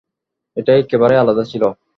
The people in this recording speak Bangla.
এটা একেবারেই আলাদা ছিল।